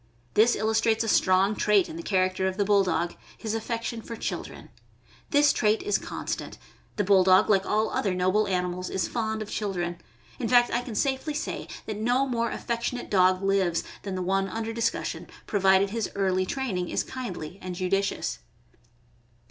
This illustrates a strong trait in the character / of the Bulldog — his affection for children. This trait is constant — the Bulldog, like all other noble animals, is fond of children; in fact, I can safely say that no more affec tionate dog lives than the one under discussion, provided his early training is kindly and judicious.